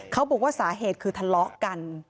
เขาบอกว่าสาเหตุคือทะเลาะกัน